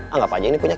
anggap aja ini punya